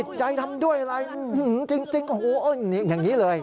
ใจทำด้วยอะไรจริงโอ้โหอย่างนี้เลย